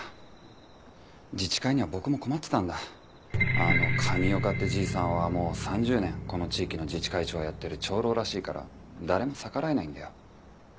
あの上岡ってじいさんはもう３０年この地域の自治会長をやってる長老らしいから誰も逆らえないんだよ。